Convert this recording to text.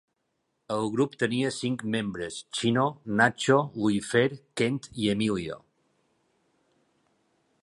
El grup tenia cinc membres: Chino, Nacho, Luifer, Kent i Emilio.